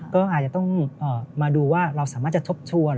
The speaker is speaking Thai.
ก็อาจจะต้องมาดูว่าเราสามารถจะทบทวน